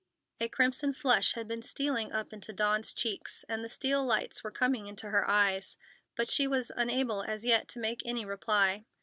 A crimson flush had been stealing up into Dawn's cheeks, and the steel lights were coming into her eyes, but she was unable as yet to make any reply.